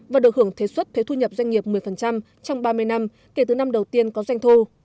và được hưởng thế suất thuế thu nhập doanh nghiệp một mươi trong ba mươi năm kể từ năm đầu tiên có doanh thu